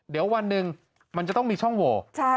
เดี๋ยววันหนึ่งมันจะต้องมีช่องโหว